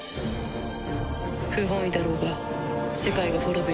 不本意だろうが世界が滅ぶよりはマシだ。